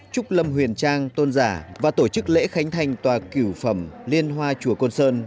trúc lâm huyền trang tôn giả và tổ chức lễ khánh thành tòa kiểu phẩm liên hoa chùa côn sơn